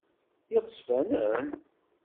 D iɣezfanen?